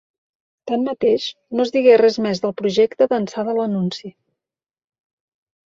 Tanmateix, no es digué res més del projecte d'ençà de l'anunci.